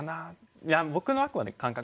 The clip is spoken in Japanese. いや僕のあくまで感覚。